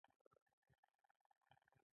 ازادي راډیو د سوله لپاره عامه پوهاوي لوړ کړی.